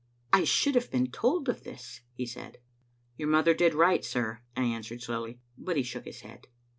" I should have been told of this," he said. "Your mother did right, sir," I answered slowly, but he shook his head.